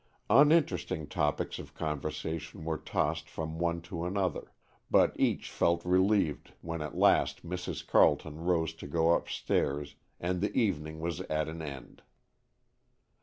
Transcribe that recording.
Uninteresting topics of conversation were tossed from one to another, but each felt relieved when at last Mrs. Carleton rose to go upstairs and the evening was at an end.